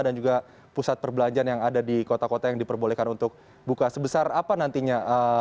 dan juga pusat perbelanjaan yang ada di kota kota yang diperbolehkan untuk buka sebesar apa nantinya